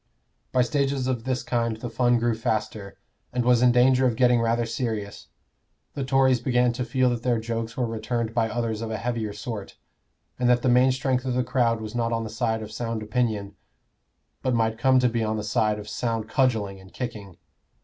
By stages of this kind the fun grew faster, and was in danger of getting rather serious. The Tories began to feel that their jokes were returned by others of a heavier sort, and that the main strength of the crowd was not on the side of sound opinion, but might come to be on the side of sound cudgelling and kicking.